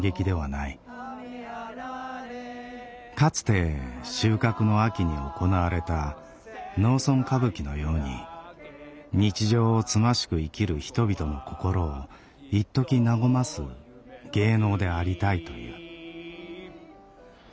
かつて収穫の秋に行われた農村歌舞伎のように日常をつましく生きる人々の心をいっとき和ます芸能でありたいという。